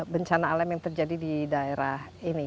bencana alam yang terjadi di daerah ini